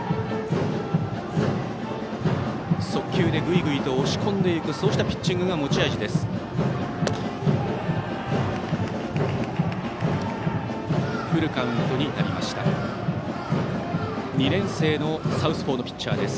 速球でぐいぐい押し込んでいくピッチングが持ち味です。